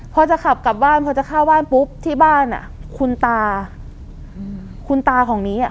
พอจะขับกลับบ้านพอจะเข้าบ้านปุ๊บที่บ้านอ่ะคุณตาอืมคุณตาของนี้อ่ะ